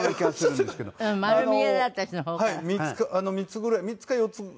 ３つぐらい３つか４つ。